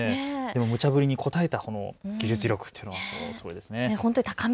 むちゃぶりに応えた技術力っていうのはすごいですね。